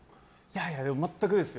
でも全くですよ。